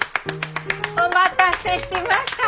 お待たせしました。